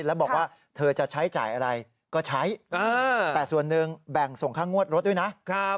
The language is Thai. แล้วบอกว่าเธอจะใช้จ่ายอะไรก็ใช้แต่ส่วนหนึ่งแบ่งส่งค่างวดรถด้วยนะ